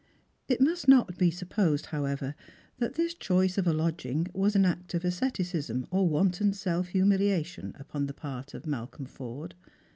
It must not be sujoposed, however, that this choice of a lodging was an act of asceticism or wanton self humiliation upon the part of Malcolm Forde.